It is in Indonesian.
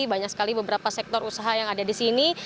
banyak sekali beberapa sektor usaha yang ada di sini